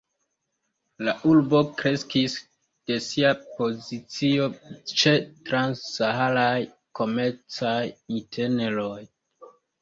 La urbo kreskis de sia pozicio ĉe trans-saharaj komercaj itineroj.